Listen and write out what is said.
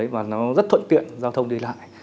và nó rất thuận tiện giao thông đi lại